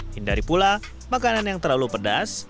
hindari pula makanan yang terlalu pedas